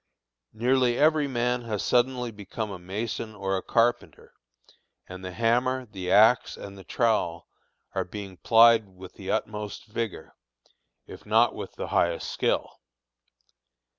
Nearly every man has suddenly become a mason or a carpenter, and the hammer, the axe, and the trowel are being plied with the utmost vigor, if not with the highest skill.